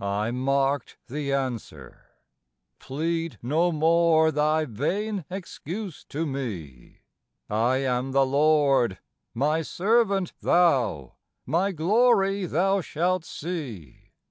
I marked the answer: "Plead no more thy vain excuse to me; I am the Lord; my servant thou; my glory thou shalt see.